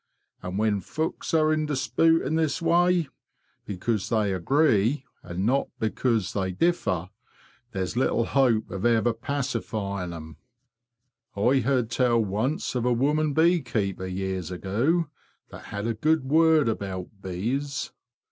And when folks are in dispute in this way, because they agree, and not because they differ, there's little hope of ever pacifying them. "T heard tell once of a woman bee keeper years ago, that had a good word about bees.